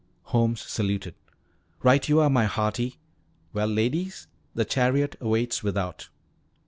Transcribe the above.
Holmes saluted. "Right you are, my hearty. Well, ladies, the chariot awaits without."